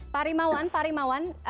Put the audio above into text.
pak rimawan pak rimawan